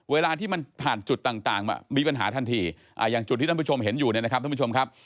เวลาที่มันผ่านจุดต่างมีปัญหาทันทีอย่างจุดที่ท่านผู้ชมเห็นอยู่เนี่ยนะครับท่านผู้ชมครับ